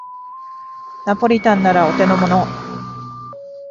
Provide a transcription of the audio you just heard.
ナポリタンならお手のもの